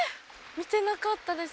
見てなかったです。